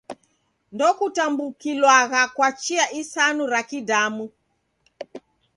Ndokutambukilwagha kwa chia isanu ra kidamu.